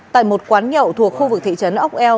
tại một quán nhậu thuộc khu vực thị trấn ốc eo